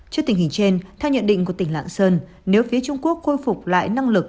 trước tình hình trên theo nhận định của tỉnh lạng sơn nếu phía trung quốc khôi phục lại năng lực